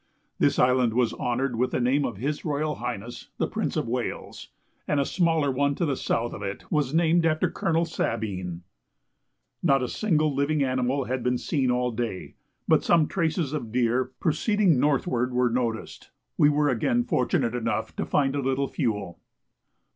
This island was honoured with the name of His Royal Highness the Prince of Wales, and a smaller one to the south of it was named after Colonel Sabine. Not a single living animal had been seen all day, but some traces of deer proceeding northward were noticed. We were again fortunate enough to find a little fuel.